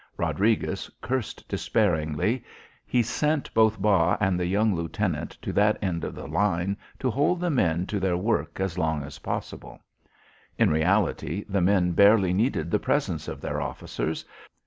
Rodriguez cursed despairingly; he sent both Bas and the young lieutenant to that end of the line to hold the men to their work as long as possible. In reality the men barely needed the presence of their officers.